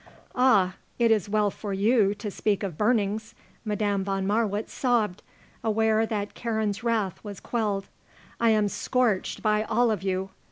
"Ah, it is well for you to speak of burnings!" Madame von Marwitz sobbed, aware that Karen's wrath was quelled. "I am scorched by all of you!